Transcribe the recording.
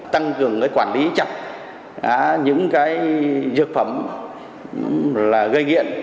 tăng cường người quản lý chặt những cái dược phẩm là gây nghiện